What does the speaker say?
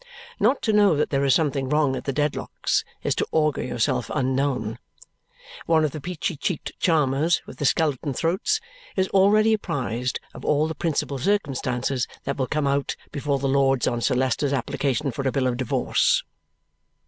Not to know that there is something wrong at the Dedlocks' is to augur yourself unknown. One of the peachy cheeked charmers with the skeleton throats is already apprised of all the principal circumstances that will come out before the Lords on Sir Leicester's application for a bill of divorce.